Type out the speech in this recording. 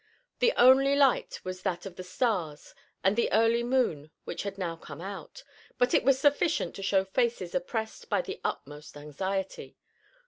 The only light was that of the stars and the early moon which had now come out, but it was sufficient to show faces oppressed by the utmost anxiety.